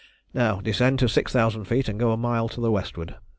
Now descend to six thousand feet and go a mile to the westward.